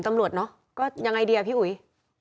หัวฟาดพื้น